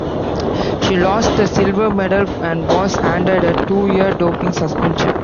She lost the silver medal and was handed a two-year doping suspension.